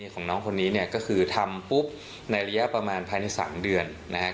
คือทำปุ๊บในระยะประมาณภายใน๓เดือนนะครับ